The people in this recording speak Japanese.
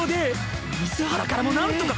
水原からもなんとか。